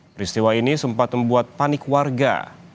peristiwa ini sempat membuat panik warga